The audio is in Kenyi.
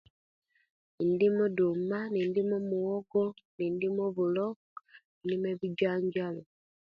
Ndima oduuma ni ndima omuwogo ni ndima obulo ni ndima ebijanjalo